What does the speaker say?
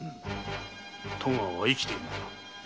戸川は生きているのだ。